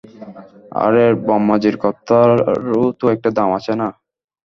আরে ব্রম্মাজির কথারও তো একটা দাম আছে না?